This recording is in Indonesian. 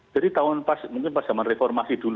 jadi tahun pas mungkin pas zaman reformasi